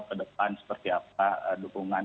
ke depan seperti apa dukungan